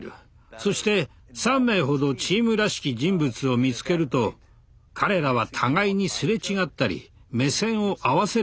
そして３名ほどチームらしき人物を見つけると彼らは互いにすれ違ったり目線を合わせる一瞬がある。